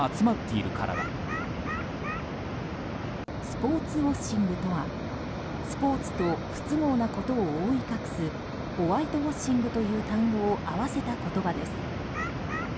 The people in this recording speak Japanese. スポーツウォッシングとはスポーツと不都合なことを覆い隠すホワイトウォッシングという単語を合わせた言葉です。